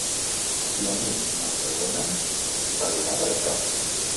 Si a mi m’empresonen, servirà per a això?